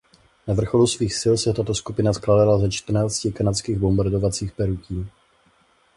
Na vrcholu svých sil se tato skupina skládala ze čtrnácti kanadských bombardovacích perutí.